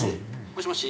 もしもし。